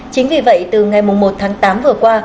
chính vì vậy từ ngày một tháng tám vừa qua